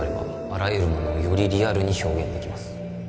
あらゆるものをよりリアルに表現できます